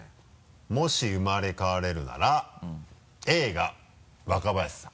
もし生まれ変われるなら「Ａ」が若林さん。